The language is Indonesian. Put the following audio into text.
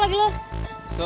nah kayak gitu